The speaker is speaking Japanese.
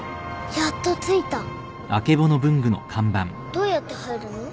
どうやって入るの？